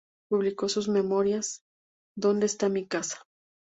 Publicó sus memorias "¿Donde está mi casa?